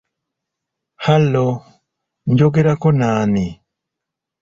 "Halo, njogerako n'ani?